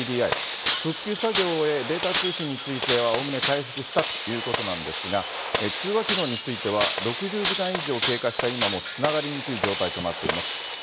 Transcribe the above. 復旧作業を終え、データ通信については、おおむね回復したということなんですが、通話機能については、６０時間以上経過した今も、つながりにくい状態となっています。